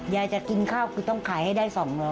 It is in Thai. ยายจะกินข้าวคือต้องขายให้ได้๒๐๐